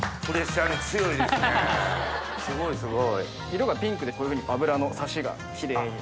色がピンクでこういうふうに脂のサシがキレイに。